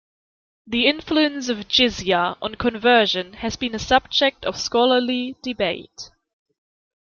The influence of jizya on conversion has been a subject of scholarly debate.